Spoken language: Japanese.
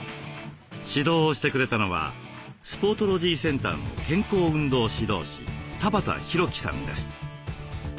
指導をしてくれたのはスポートロジーセンターの健康運動指導士田端宏樹さんです。